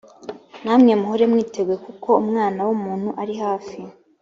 namwe muhore mwiteguye kuko umwana w’umuntu ari hafi